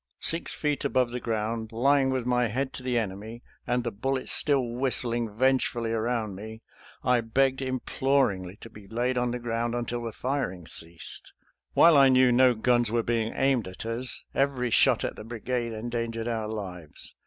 Six feet above the ground, lying with my head to the enemy, and the bullets still whistling vengefully around me, I begged imploringly to be laid on the ground until the firing ceased. While I knew no guns were being aimed at us, every shot at the brigade endangered our lives.